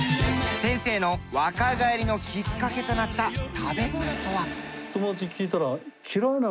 先生の若返りのきっかけとなった食べ物とは？